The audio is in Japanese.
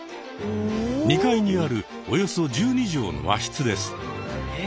２階にあるおよそ１２畳の和室です。